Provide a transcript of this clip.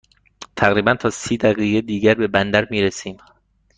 تقریباً تا سی دقیقه دیگر به بندر می رسیم.